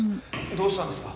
どうしたんですか？